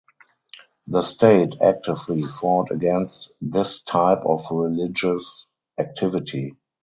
The state actively fought against this type of religious activity.